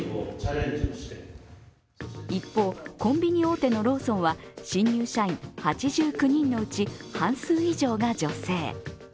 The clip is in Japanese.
一方、コンビニ大手のローソンは新入社員８９人のうち半数以上が女性。